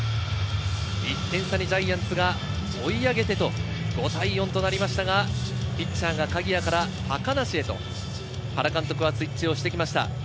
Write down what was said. １点差にジャイアンツが追い上げて、５対４となりましたが、ピッチャーが鍵谷から高梨へと原監督はスイッチしてきました。